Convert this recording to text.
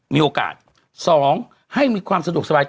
มีโอกาส๒ให้มีความสะดวกสบาย